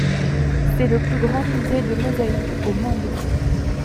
C'est le plus grand musée de mosaïques au monde.